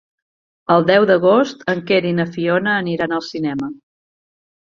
El deu d'agost en Quer i na Fiona aniran al cinema.